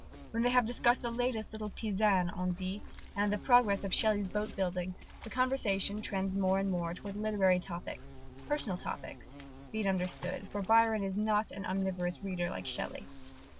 When they have discussed the latest little Pisan on dits, and the progress of Shelley's boat building, the conversation trends more and more towards literary topics: personal topics, be it understood, for Byron is not an omnivorous reader like Shelley.